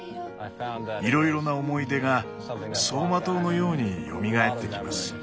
いろいろな思い出が走馬灯のようによみがえってきます。